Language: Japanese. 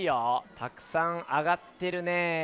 たくさんあがってるね。